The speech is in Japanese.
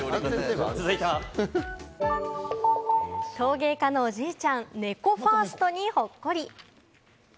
続いては、陶芸家のおじいちゃん、ねこファーストにほっこり。